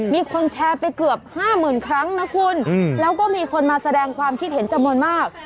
มีคนแชร์ไปเกือบ๕๐๐๐ครั้งนะคุณแล้วก็มีคนมาแสดงความคิดเห็นจำนวนมาก